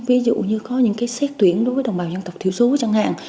ví dụ như có những cái xét tuyển đối với đồng bào dân tộc thiểu số chẳng hạn